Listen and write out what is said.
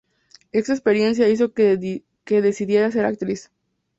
Esta experiencia hizo que decidiese ser actriz.